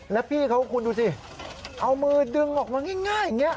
แล้วพี่เขาคุณดูสิเอามือดึงออกมาง่ายอย่างนี้